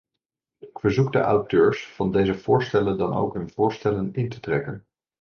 Ik verzoek de auteurs van deze voorstellen dan ook hun voorstellen in te trekken.